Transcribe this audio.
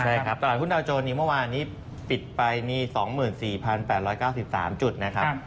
ใช่ครับตลาดหุ้นดาวโจรนี้เมื่อวานนี้ปิดไปมี๒๔๘๙๓จุดนะครับ